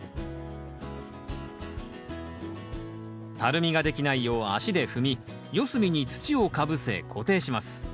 たるみができないよう足で踏み四隅に土をかぶせ固定します。